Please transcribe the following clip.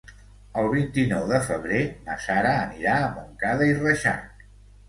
El vint-i-nou de febrer na Sara anirà a Montcada i Reixac.